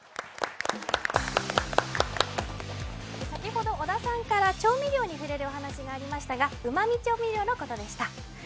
先ほど小田さんから調味料に触れるお話がありましたがうま味調味料のことでした。